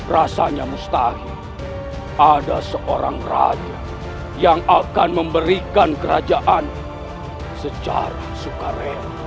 rasanya mustahil ada seorang raja yang akan memberikan kerajaan secara sukare